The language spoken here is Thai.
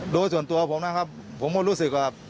โดยส่วนตัวผมนะครับผมก็รู้สึกว่า